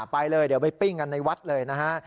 ไปเลยเดี๋ยวไปปิ้งกันในวัดเลยนะฮะ